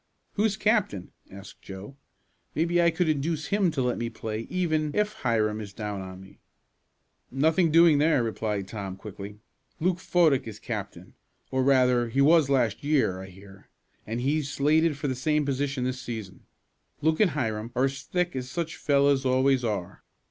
"Who's captain?" asked Joe. "Maybe I could induce him to let me play even if Hiram is down on me." "Nothing doing there," replied Tom quickly. "Luke Fodick is captain, or, rather he was last year, I hear, and he's slated for the same position this season. Luke and Hiram are as thick as such fellows always are.